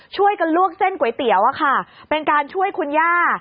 ช่วยกันลวกเส้นก๋วยเตี๋ยวอะค่ะเป็นการช่วยคุณย่า